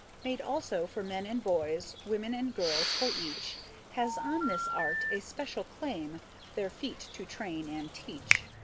Made, also, for men and boys, Women and girls, for each Has on this art a special claim, Their feet to train and teach.